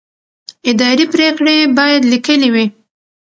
اداري پرېکړې باید لیکلې وي.